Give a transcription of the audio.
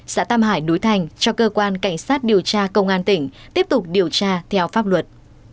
xã tam hải núi thành cho cơ quan cảnh sát điều tra công an tỉnh tiếp tục điều tra theo pháp luật